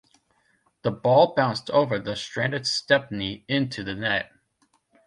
The ball bounced over the stranded Stepney into the net.